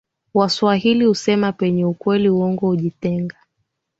waswahili husema penye ukweli uongo hujitenga